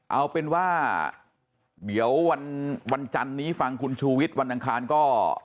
เอาเป็นว่าเดี๋ยววันจันนี้ฟังคุณชูวิทย์วันอังคารก็